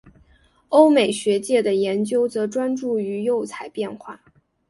欧美学界的研究则专注于釉彩变化。